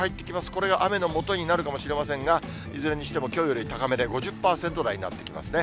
これが雨のもとになるかもしれませんが、いずれにしてもきょうより高めで５０％台になってきますね。